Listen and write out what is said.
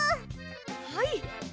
はい。